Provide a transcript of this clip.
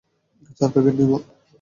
চার প্যাকেট নিবো।